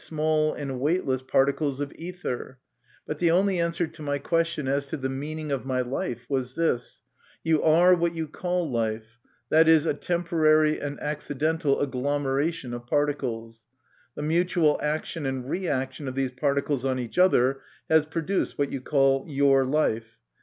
5$ small and weightless particles of ether; but the only answer to my question as to the meaning of my life was this, "You are what you call life ; that is, a temporary and accidental agglom eration of particles. The mutual action and reaction of these particles on each other has produced what you call your life.